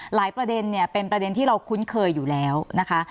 ประเด็นเนี่ยเป็นประเด็นที่เราคุ้นเคยอยู่แล้วนะคะ